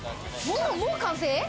もう完成？